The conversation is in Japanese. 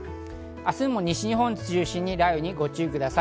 明日も西日本を中心に雷雨にご注意ください。